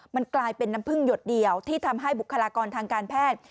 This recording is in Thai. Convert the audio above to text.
มันกลายเป็นน้ำพึ่งหยดเดียวที่ทำให้บุคลากรทางการแพทย์